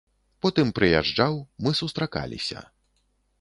Потым прыязджаў, мы сустракаліся.